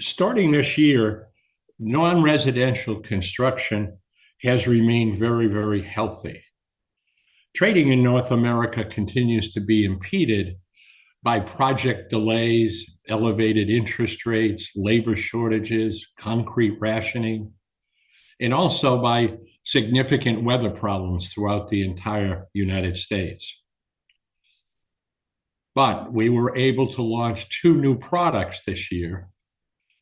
Starting this year, non-residential construction has remained very, very healthy. Trading in North America continues to be impeded by project delays, elevated interest rates, labor shortages, concrete rationing, and also by significant weather problems throughout the entire United States. We were able to launch two new products this year,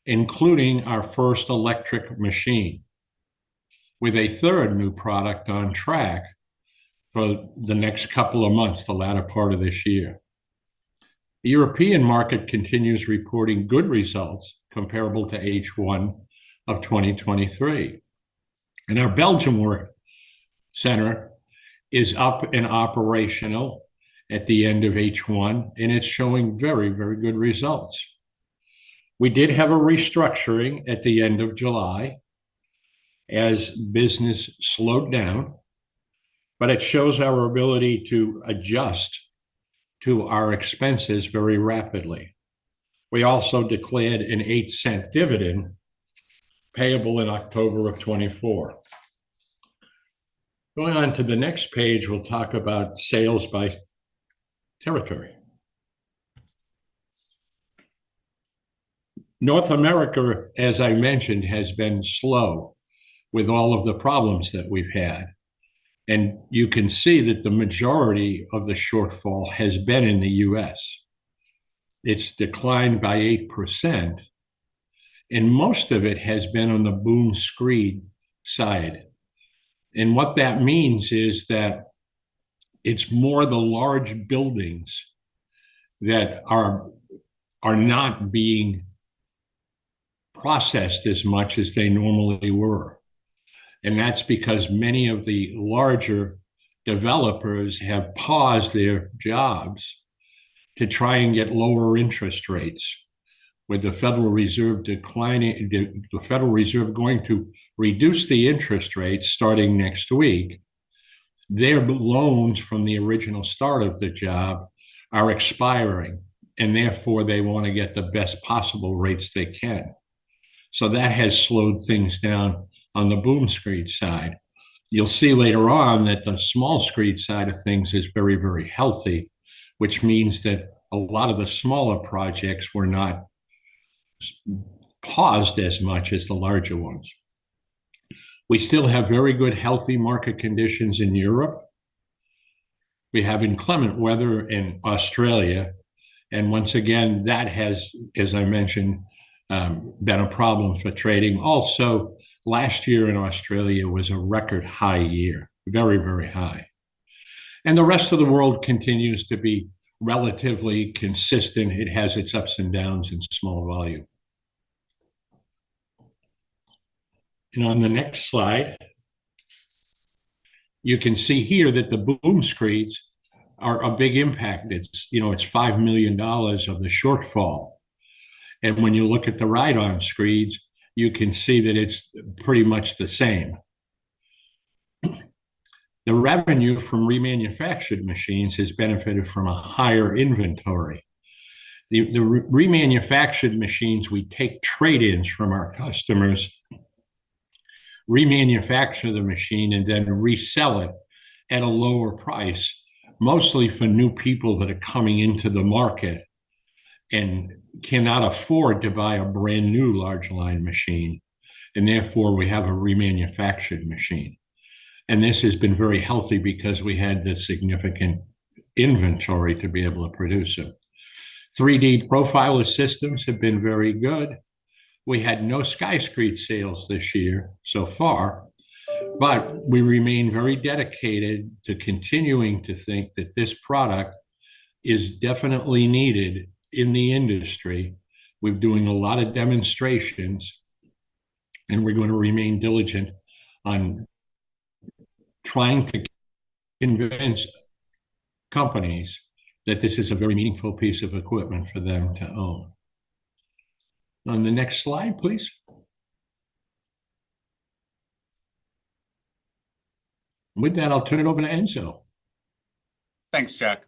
including our first electric machine, with a third new product on track for the next couple of months, the latter part of this year. The European market continues reporting good results, comparable to H1 of 2023. Our Belgium work center is up and operational at the end of H1, and it's showing very, very good results. We did have a restructuring at the end of July as business slowed down, but it shows our ability to adjust to our expenses very rapidly. We also declared an $0.08 dividend, payable in October of 2024. Going on to the next page, we'll talk about sales by territory. North America, as I mentioned, has been slow with all of the problems that we've had, and you can see that the majority of the shortfall has been in the US. It's declined by 8%, and most of it has been on the boom screed side, and what that means is that it's more the large buildings that are not being processed as much as they normally were, and that's because many of the larger developers have paused their jobs to try and get lower interest rates. With the Federal Reserve going to reduce the interest rates starting next week, their loans from the original start of the job are expiring, and therefore they want to get the best possible rates they can. So that has slowed things down on the boom screed side. You'll see later on that the small screed side of things is very, very healthy, which means that a lot of the smaller projects were not paused as much as the larger ones. We still have very good, healthy market conditions in Europe. We have inclement weather in Australia, and once again, that has, as I mentioned, been a problem for trading. Also, last year in Australia was a record high year. Very, very high. And the rest of the world continues to be relatively consistent. It has its ups and downs in small volume. And on the next slide, you can see here that the boom screeds are a big impact. It's, you know, it's $5 million of the shortfall, and when you look at the Ride-on Screeds, you can see that it's pretty much the same. The revenue from remanufactured machines has benefited from a higher inventory. The remanufactured machines, we take trade-ins from our customers, remanufacture the machine, and then resell it at a lower price, mostly for new people that are coming into the market and cannot afford to buy a brand-new large line machine, and therefore we have a remanufactured machine. And this has been very healthy because we had the significant inventory to be able to produce it. 3-D Profiler systems have been very good. We had no Sky Screed sales this year so far, but we remain very dedicated to continuing to think that this product is definitely needed in the industry. We're doing a lot of demonstrations, and we're going to remain diligent on trying to convince companies that this is a very meaningful piece of equipment for them to own. On the next slide, please. With that, I'll turn it over to Enzo. Thanks, Jack.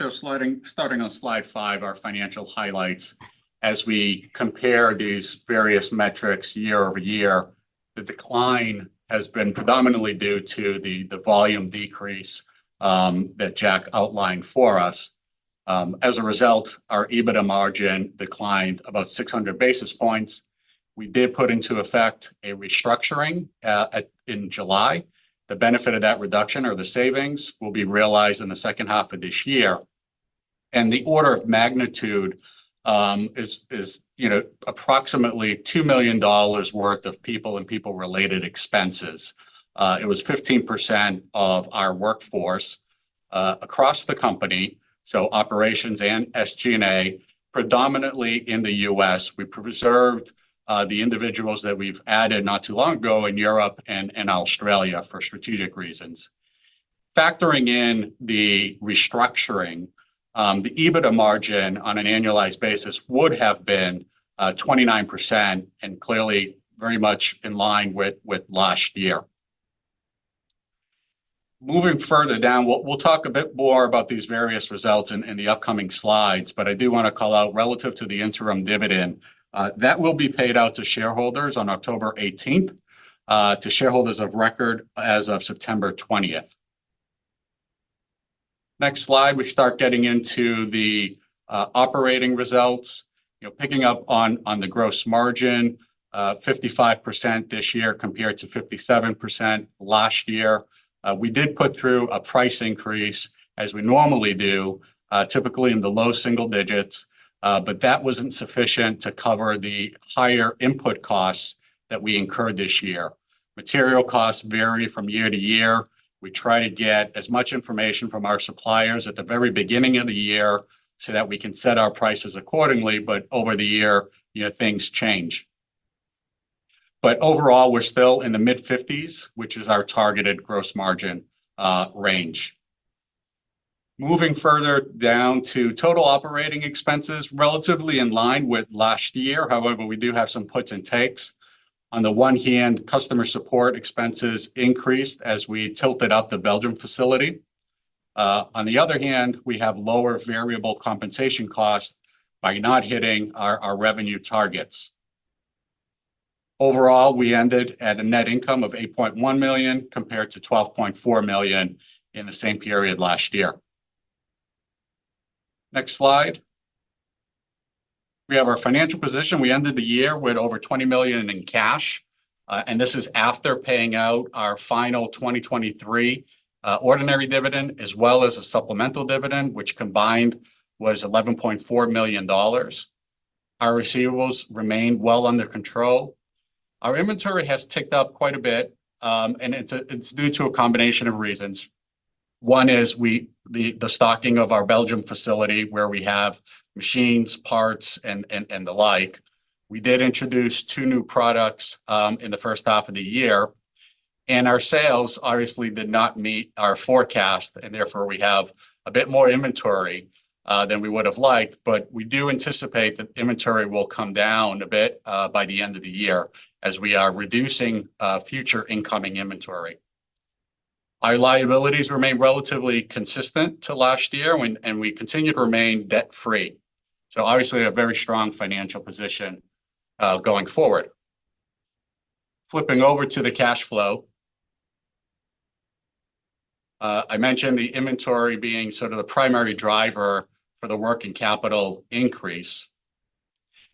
So starting on slide five, our financial highlights. As we compare these various metrics year-over-year, the decline has been predominantly due to the volume decrease that Jack outlined for us. As a result, our EBITDA margin declined about six hundred basis points. We did put into effect a restructuring in July. The benefit of that reduction or the savings will be realized in the second half of this year, and the order of magnitude is, you know, approximately $2 million worth of people and people-related expenses. It was 15% of our workforce across the company, so operations and SG&A, predominantly in the U.S. We preserved the individuals that we've added not too long ago in Europe and Australia for strategic reasons. Factoring in the restructuring, the EBITDA margin on an annualized basis would have been 29%, and clearly very much in line with, with last year. Moving further down, we'll, we'll talk a bit more about these various results in, in the upcoming slides, but I do wanna call out relative to the interim dividend. That will be paid out to shareholders on October 18th, to shareholders of record as of September 20th. Next slide, we start getting into the operating results. You know, picking up on, on the gross margin, 55% this year compared to 57% last year. We did put through a price increase, as we normally do, typically in the low single digits, but that wasn't sufficient to cover the higher input costs that we incurred this year. Material costs vary from year to year. We try to get as much information from our suppliers at the very beginning of the year so that we can set our prices accordingly, but over the year, you know, things change. But overall, we're still in the mid-50s%, which is our targeted Gross Margin range. Moving further down to total operating expenses, relatively in line with last year. However, we do have some puts and takes. On the one hand, customer support expenses increased as we ramped up the Belgian facility. On the other hand, we have lower variable compensation costs by not hitting our revenue targets. Overall, we ended at a net income of $8.1 million, compared to $12.4 million in the same period last year. Next slide. We have our financial position. We ended the year with over $20 million in cash, and this is after paying out our final 2023 ordinary dividend, as well as a supplemental dividend, which combined was $11.4 million. Our receivables remained well under control. Our inventory has ticked up quite a bit, and it's due to a combination of reasons. One is the stocking of our Belgium facility, where we have machines, parts, and the like. We did introduce two new products in the first half of the year, and our sales, obviously, did not meet our forecast, and therefore, we have a bit more inventory than we would've liked, but we do anticipate that the inventory will come down a bit by the end of the year, as we are reducing future incoming inventory. Our liabilities remain relatively consistent to last year, and we continue to remain debt-free, so obviously, a very strong financial position, going forward. Flipping over to the cash flow, I mentioned the inventory being sort of the primary driver for the working capital increase.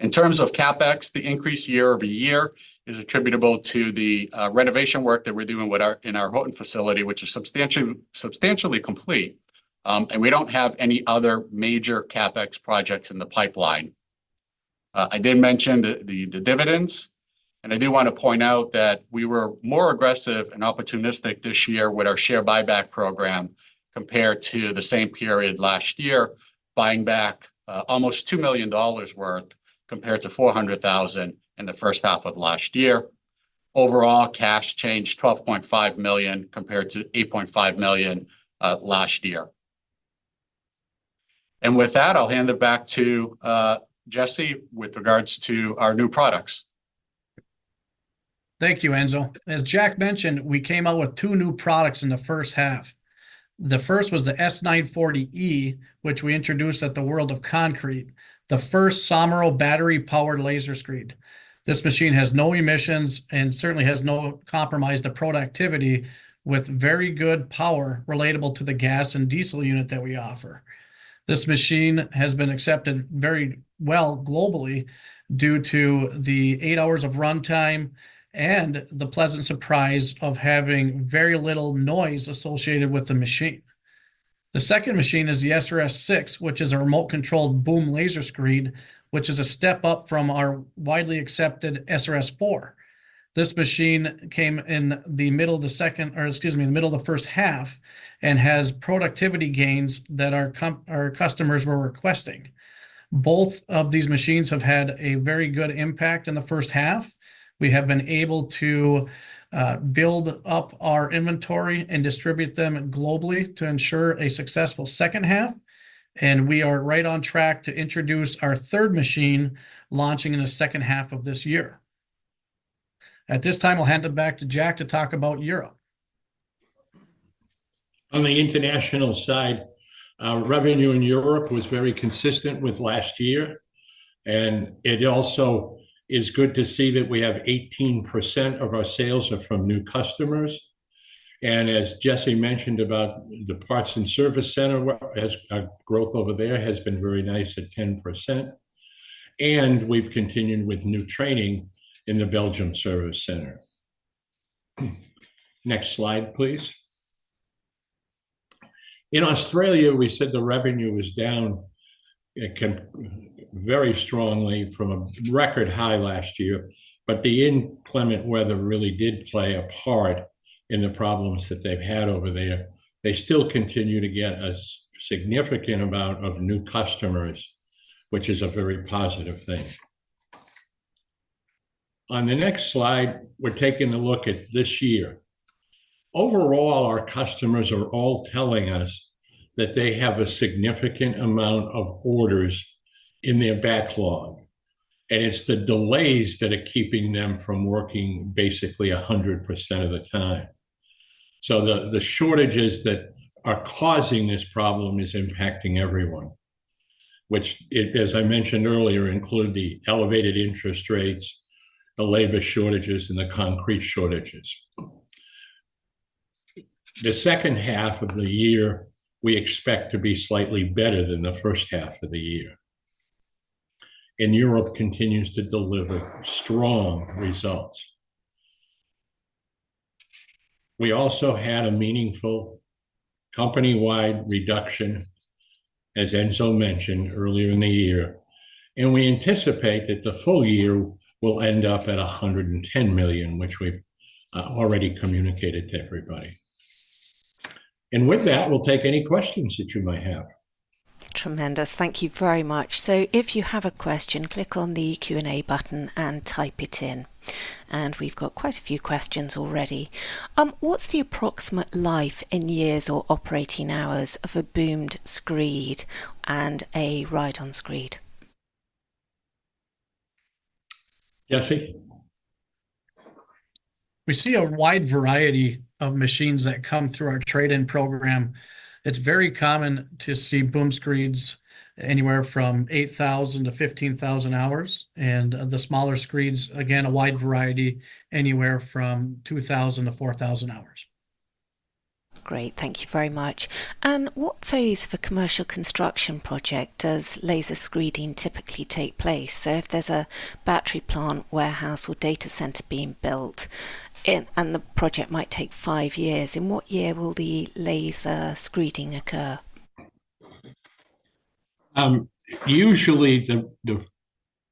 In terms of CapEx, the increase year-over-year is attributable to the renovation work that we're doing with our in our Houghton facility, which is substantially complete. And we don't have any other major CapEx projects in the pipeline. I did mention the dividends, and I do wanna point out that we were more aggressive and opportunistic this year with our share buyback program, compared to the same period last year, buying back almost $2 million worth, compared to $400,000 in the first half of last year. Overall, cash changed $12.5 million, compared to $8.5 million last year. And with that, I'll hand it back to Jesse with regards to our new products. Thank you, Enzo. As Jack mentioned, we came out with two new products in the first half. The first was the S-940E, which we introduced at the World of Concrete, the first Somero battery-powered Laser Screed. This machine has no emissions and certainly has no compromise to productivity, with very good power relatable to the gas and diesel unit that we offer. This machine has been accepted very well globally, due to the eight hours of runtime and the pleasant surprise of having very little noise associated with the machine. The second machine is the SRS-6, which is a remote-controlled boom Laser Screed, which is a step up from our widely accepted SRS-4. This machine came in the middle of the second... or excuse me, in the middle of the first half, and has productivity gains that our customers were requesting. Both of these machines have had a very good impact in the first half. We have been able to build up our inventory and distribute them globally to ensure a successful second half, and we are right on track to introduce our third machine, launching in the second half of this year. At this time, I'll hand it back to Jack to talk about Europe. On the international side, revenue in Europe was very consistent with last year, and it also is good to see that we have 18% of our sales are from new customers. And as Jesse mentioned about the parts and service center, well, growth over there has been very nice at 10%, and we've continued with new training in the Belgium service center. Next slide, please. In Australia, we said the revenue was down. It came very strongly from a record high last year, but the inclement weather really did play a part in the problems that they've had over there. They still continue to get a significant amount of new customers, which is a very positive thing. On the next slide, we're taking a look at this year. Overall, our customers are all telling us that they have a significant amount of orders in their backlog. And it's the delays that are keeping them from working basically 100% of the time. So the shortages that are causing this problem is impacting everyone, which it, as I mentioned earlier, include the elevated interest rates, the labor shortages, and the concrete shortages. The second half of the year, we expect to be slightly better than the first half of the year, and Europe continues to deliver strong results. We also had a meaningful company-wide reduction, as Enzo mentioned, earlier in the year, and we anticipate that the full year will end up at $110 million, which we've already communicated to everybody. And with that, we'll take any questions that you might have. Tremendous. Thank you very much. So if you have a question, click on the Q&A button and type it in. And we've got quite a few questions already. What's the approximate life in years or operating hours of a boom screed and a Ride-on Screed? Jesse? We see a wide variety of machines that come through our trade-in program. It's very common to see boom screeds anywhere from 8,000 to 15,000 hours, and the smaller screeds, again, a wide variety, anywhere from 2,000 to 4,000 hours. Great. Thank you very much. And what phase of a commercial construction project does Laser Screeding typically take place? So if there's a battery plant, warehouse, or data center being built, and the project might take five years, in what year will the Laser Screeding occur? Usually, the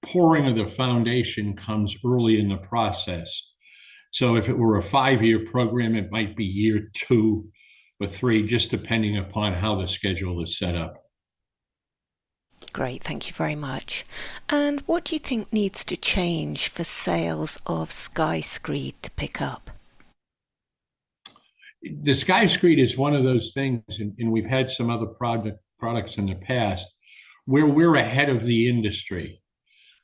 pouring of the foundation comes early in the process. So if it were a five-year program, it might be year two or three, just depending upon how the schedule is set up. Great. Thank you very much. And what do you think needs to change for sales of Sky Screed to pick up? The Sky Screed is one of those things, and we've had some other product, products in the past, where we're ahead of the industry.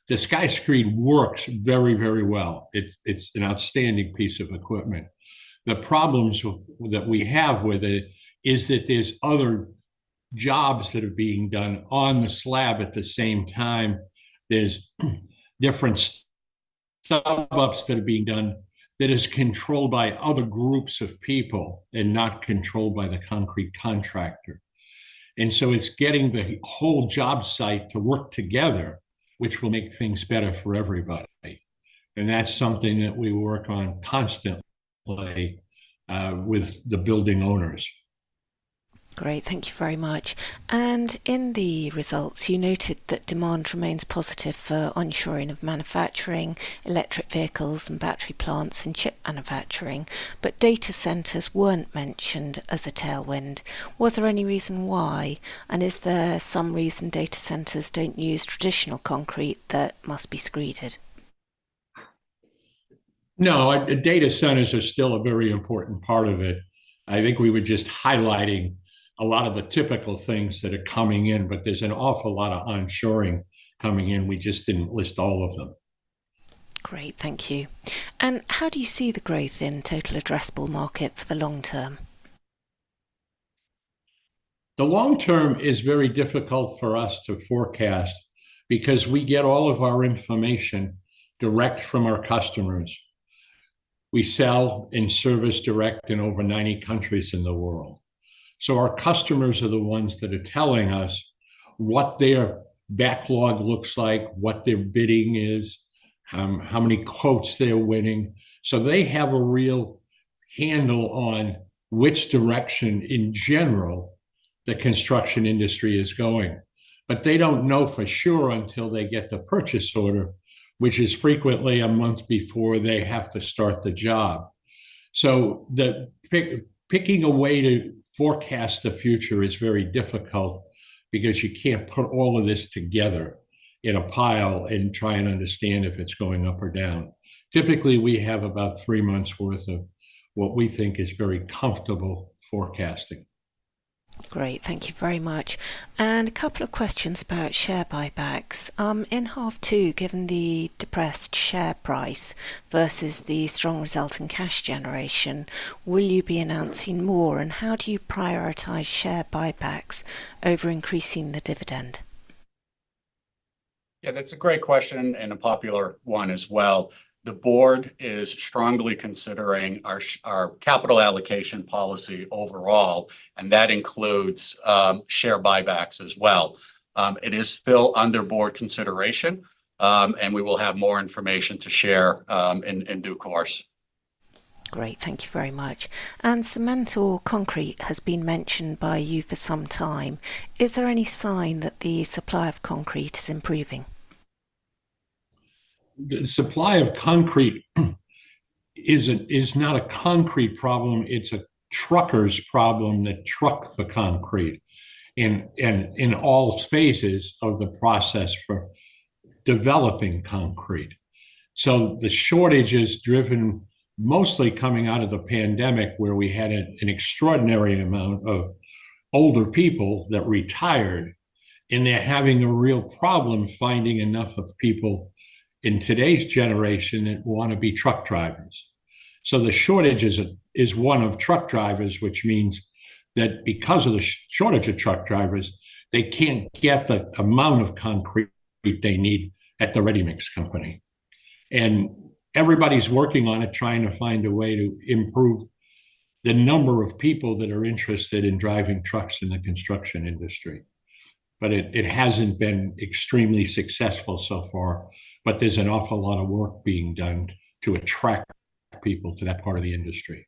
The Sky Screed works very, very well. It's an outstanding piece of equipment. The problems that we have with it is that there's other jobs that are being done on the slab at the same time. There's different stub-ups that are being done that is controlled by other groups of people and not controlled by the concrete contractor, and so it's getting the whole job site to work together, which will make things better for everybody, and that's something that we work on constantly with the building owners. Great. Thank you very much. And in the results, you noted that demand remains positive for onshoring of manufacturing, electric vehicles, and battery plants, and chip manufacturing, but data centers weren't mentioned as a tailwind. Was there any reason why, and is there some reason data centers don't use traditional concrete that must be screeded? No, data centers are still a very important part of it. I think we were just highlighting a lot of the typical things that are coming in, but there's an awful lot of onshoring coming in. We just didn't list all of them. Great. Thank you. And how do you see the growth in total addressable market for the long term? The long term is very difficult for us to forecast because we get all of our information direct from our customers. We sell and service direct in over ninety countries in the world, so our customers are the ones that are telling us what their backlog looks like, what their bidding is, how many quotes they're winning. So they have a real handle on which direction, in general, the construction industry is going, but they don't know for sure until they get the purchase order, which is frequently a month before they have to start the job. So the picking a way to forecast the future is very difficult because you can't put all of this together in a pile and try and understand if it's going up or down. Typically, we have about three months' worth of what we think is very comfortable forecasting. Great. Thank you very much, and a couple of questions about share buybacks. In half two, given the depressed share price versus the strong results in cash generation, will you be announcing more, and how do you prioritize share buybacks over increasing the dividend? Yeah, that's a great question and a popular one as well. The board is strongly considering our capital allocation policy overall, and that includes share buybacks as well. It is still under board consideration, and we will have more information to share in due course. Great. Thank you very much. Cement or concrete has been mentioned by you for some time. Is there any sign that the supply of concrete is improving? The supply of concrete is not a concrete problem. It's a trucker's problem that trucks the concrete in all phases of the process for developing concrete. So the shortage is driven mostly coming out of the pandemic, where we had an extraordinary amount of older people that retired, and they're having a real problem finding enough of the people in today's generation that wanna be truck drivers. So the shortage is one of truck drivers, which means that because of the shortage of truck drivers, they can't get the amount of concrete they need at the ready-mix company. And everybody's working on it, trying to find a way to improve the number of people that are interested in driving trucks in the construction industry, but it hasn't been extremely successful so far. But there's an awful lot of work being done to attract people to that part of the industry.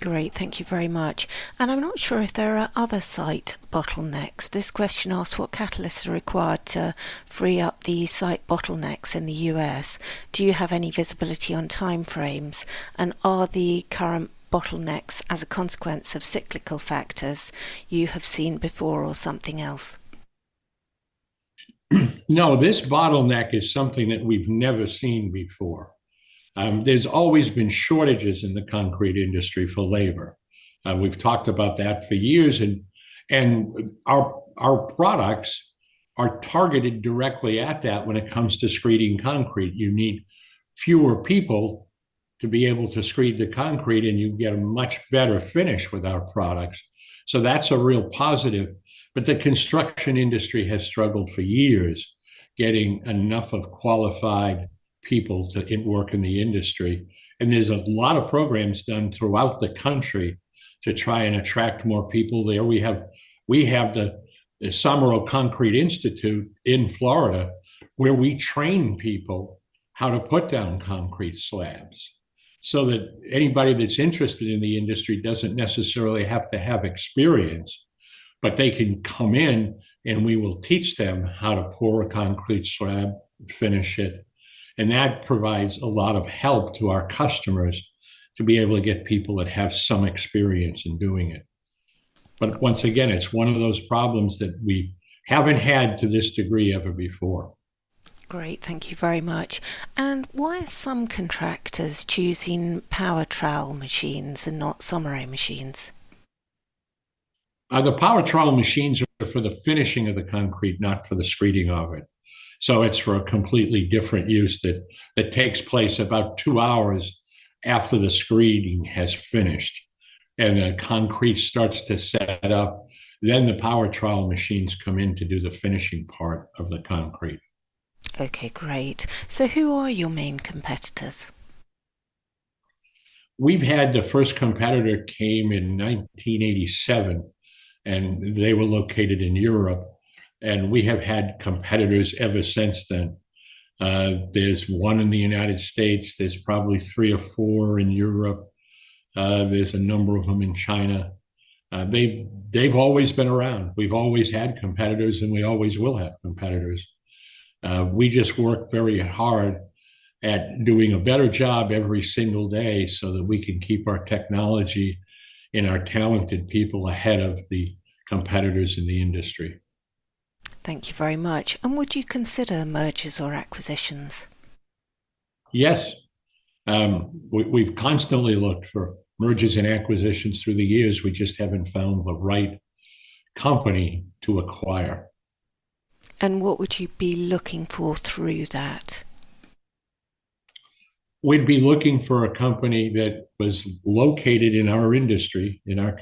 Great. Thank you very much. And I'm not sure if there are other site bottlenecks. This question asks: "What catalysts are required to free up the site bottlenecks in the U.S.? Do you have any visibility on timeframes, and are the current bottlenecks as a consequence of cyclical factors you have seen before or something else? No, this bottleneck is something that we've never seen before. There's always been shortages in the concrete industry for labor. We've talked about that for years, and our products are targeted directly at that when it comes to screeding concrete. You need fewer people to be able to screed the concrete, and you get a much better finish with our products, so that's a real positive. But the construction industry has struggled for years getting enough qualified people to get work in the industry, and there's a lot of programs done throughout the country to try and attract more people there. We have the Somero Concrete Institute in Florida, where we train people how to put down concrete slabs so that anybody that's interested in the industry doesn't necessarily have to have experience, but they can come in, and we will teach them how to pour a concrete slab, finish it, and that provides a lot of help to our customers to be able to get people that have some experience in doing it. But once again, it's one of those problems that we haven't had to this degree ever before. Great. Thank you very much. And why are some contractors choosing power trowel machines and not Somero machines? The power trowel machines are for the finishing of the concrete, not for the screeding of it, so it's for a completely different use that takes place about two hours after the screeding has finished, and the concrete starts to set up, then the power trowel machines come in to do the finishing part of the concrete. Okay, great. So who are your main competitors? The first competitor came in 1987, and they were located in Europe, and we have had competitors ever since then. There's one in the United States, there's probably three or four in Europe, there's a number of them in China. They've always been around. We've always had competitors, and we always will have competitors. We just work very hard at doing a better job every single day so that we can keep our technology and our talented people ahead of the competitors in the industry. Thank you very much. And would you consider mergers or acquisitions? Yes. We've constantly looked for mergers and acquisitions through the years. We just haven't found the right company to acquire. And what would you be looking for through that? We'd be looking for a company that was located in our industry, in our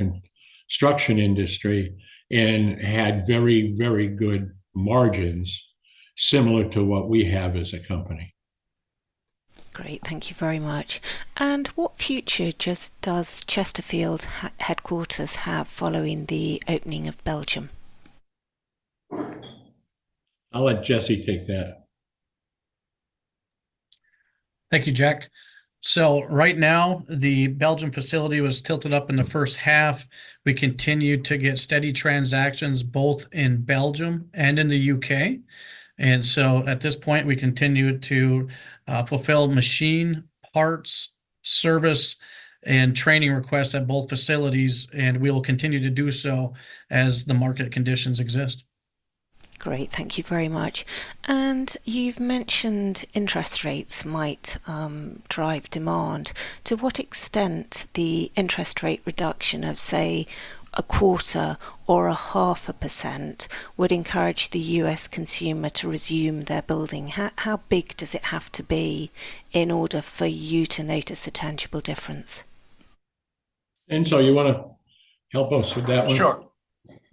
construction industry, and had very, very good margins, similar to what we have as a company. Great. Thank you very much. And what future does Chesterfield headquarters have following the opening of Belgium? I'll let Jesse take that. Thank you, Jack. Right now, the Belgium facility was ramped up in the first half. We continued to get steady transactions, both in Belgium and in the U.K., and so at this point, we continue to fulfill machine parts, service, and training requests at both facilities, and we will continue to do so as the market conditions exist. Great. Thank you very much. And you've mentioned interest rates might drive demand. To what extent the interest rate reduction of, say, 0.25% or 0.5% would encourage the U.S. consumer to resume their building? How big does it have to be in order for you to notice a tangible difference? Enzo, you wanna help us with that one?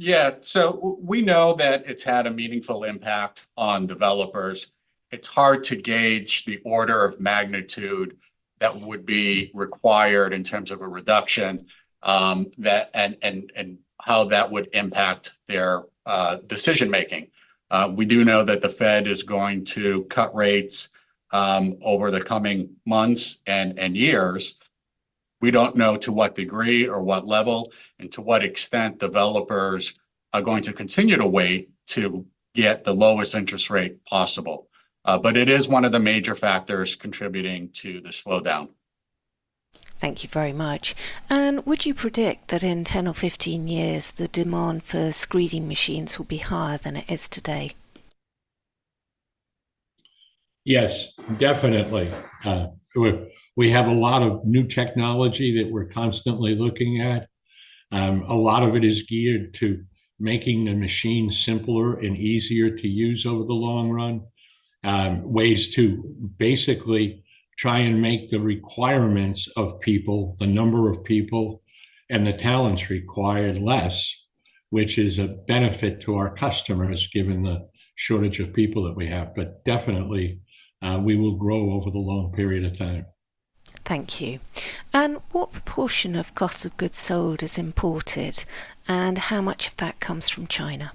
Sure. Yeah, so we know that it's had a meaningful impact on developers. It's hard to gauge the order of magnitude that would be required in terms of a reduction, that, and how that would impact their decision-making. We do know that the Fed is going to cut rates over the coming months and years. We don't know to what degree or what level and to what extent developers are going to continue to wait to get the lowest interest rate possible, but it is one of the major factors contributing to the slowdown. Thank you very much. And would you predict that in 10 or 15 years, the demand for screeding machines will be higher than it is today? Yes, definitely. We have a lot of new technology that we're constantly looking at. A lot of it is geared to making the machine simpler and easier to use over the long run. Ways to basically try and make the requirements of people, the number of people, and the talents required less, which is a benefit to our customers, given the shortage of people that we have, but definitely, we will grow over the long period of time. Thank you. What proportion of cost of goods sold is imported, and how much of that comes from China?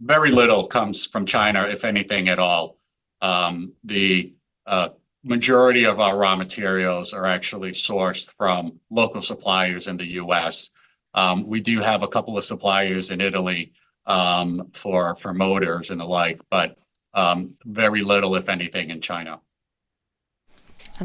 Very little comes from China, if anything at all. The majority of our raw materials are actually sourced from local suppliers in the US. We do have a couple of suppliers in Italy, for motors and the like, but very little, if anything, in China.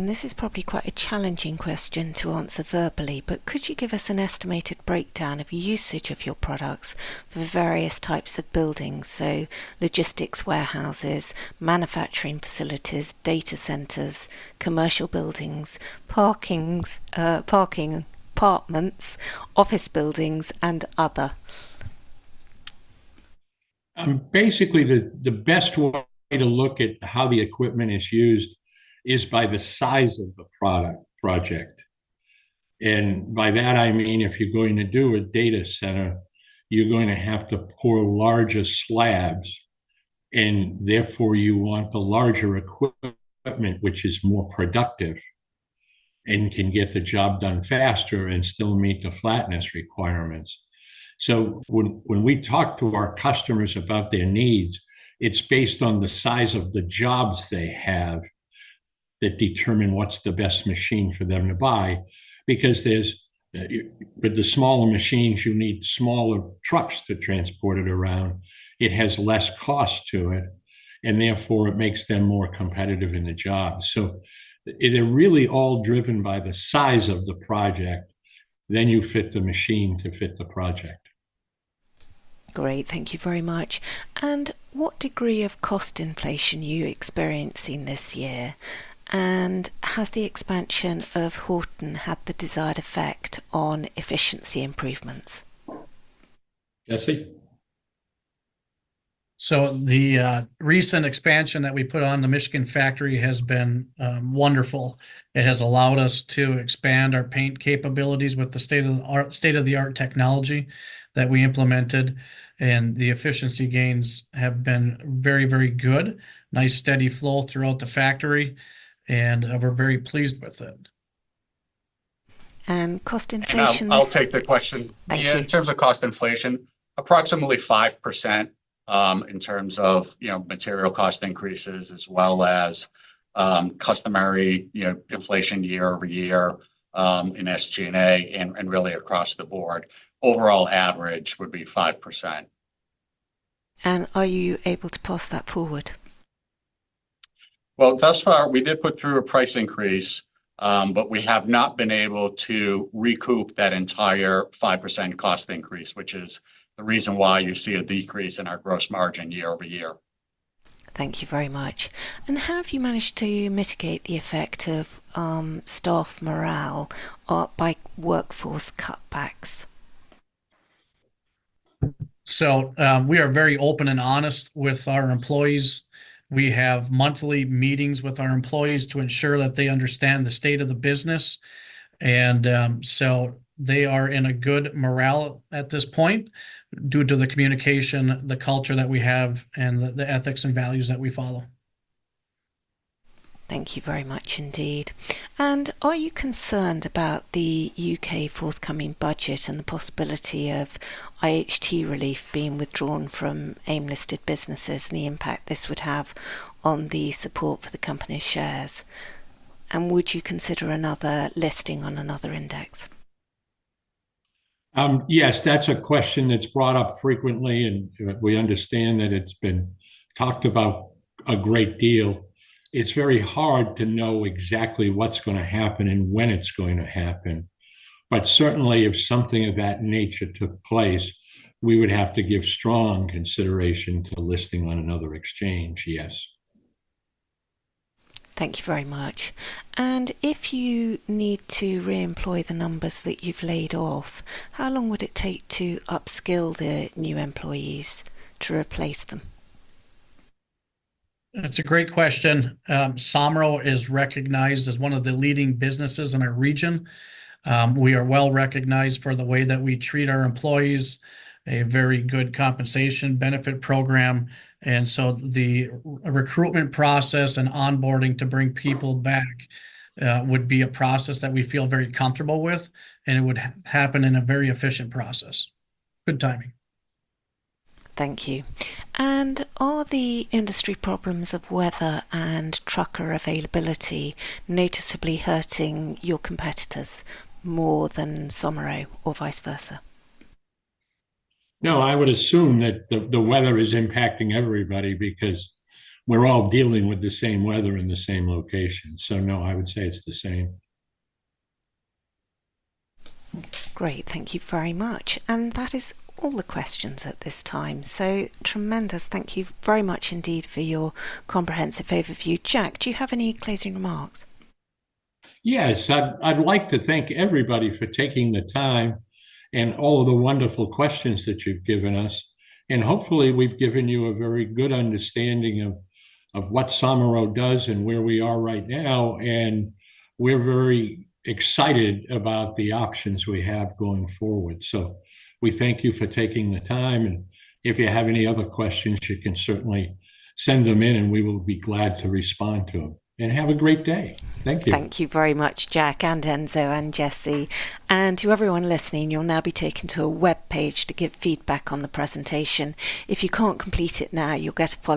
This is probably quite a challenging question to answer verbally, but could you give us an estimated breakdown of usage of your products for various types of buildings? So logistics, warehouses, manufacturing facilities, data centers, commercial buildings, parkings, parking, apartments, office buildings, and other. Basically, the best way to look at how the equipment is used is by the size of the project, and by that I mean, if you're going to do a data center, you're going to have to pour larger slabs, and therefore, you want the larger equipment, which is more productive and can get the job done faster and still meet the flatness requirements, so when we talk to our customers about their needs, it's based on the size of the jobs they have that determine what's the best machine for them to buy. Because with the smaller machines, you need smaller trucks to transport it around, it has less cost to it, and therefore, it makes them more competitive in the job, so they're really all driven by the size of the project, then you fit the machine to fit the project. Great. Thank you very much. And what degree of cost inflation are you experiencing this year? And has the expansion of Houghton had the desired effect on efficiency improvements? Jesse? The recent expansion that we put on the Michigan factory has been wonderful. It has allowed us to expand our paint capabilities with the state-of-the-art technology that we implemented, and the efficiency gains have been very, very good. Nice, steady flow throughout the factory, and we're very pleased with it. Cost inflation- And I'll take the question. Thank you. In terms of cost inflation, approximately 5%, in terms of, you know, material cost increases, as well as, customary, you know, inflation year-over-year, in SG&A and, and really across the board. Overall average would be 5%. Are you able to pass that forward? Thus far, we did put through a price increase, but we have not been able to recoup that entire 5% cost increase, which is the reason why you see a decrease in our gross margin year-over-year. Thank you very much. And how have you managed to mitigate the effect of, staff morale, or by workforce cutbacks? We are very open and honest with our employees. We have monthly meetings with our employees to ensure that they understand the state of the business, and so they are in a good morale at this point due to the communication, the culture that we have, and the ethics and values that we follow. Thank you very much indeed. And are you concerned about the UK forthcoming budget and the possibility of IHT relief being withdrawn from AIM-listed businesses, and the impact this would have on the support for the company's shares? And would you consider another listing on another index? Yes, that's a question that's brought up frequently, and we understand that it's been talked about a great deal. It's very hard to know exactly what's gonna happen and when it's going to happen. But certainly, if something of that nature took place, we would have to give strong consideration to listing on another exchange, yes. Thank you very much, and if you need to reemploy the numbers that you've laid off, how long would it take to upskill the new employees to replace them? That's a great question. Somero is recognized as one of the leading businesses in our region. We are well recognized for the way that we treat our employees, a very good compensation benefit program, and so the recruitment process and onboarding to bring people back would be a process that we feel very comfortable with, and it would happen in a very efficient process. Good timing. Thank you. And are the industry problems of weather and trucker availability noticeably hurting your competitors more than Somero or vice versa? No, I would assume that the weather is impacting everybody, because we're all dealing with the same weather in the same location. So no, I would say it's the same. Great. Thank you very much. And that is all the questions at this time. So tremendous thank you very much indeed for your comprehensive overview. Jack, do you have any closing remarks? Yes, I'd like to thank everybody for taking the time and all of the wonderful questions that you've given us, and hopefully, we've given you a very good understanding of what Somero does and where we are right now, and we're very excited about the options we have going forward. So we thank you for taking the time, and if you have any other questions, you can certainly send them in, and we will be glad to respond to them. Have a great day. Thank you. Thank you very much, Jack and Enzo and Jesse. And to everyone listening, you'll now be taken to a webpage to give feedback on the presentation. If you can't complete it now, you'll get a-